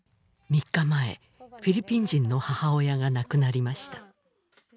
３日前フィリピン人の母親が亡くなりました